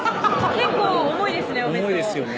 結構重いですね